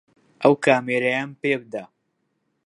ئەو کامێرایەم پێ بدە.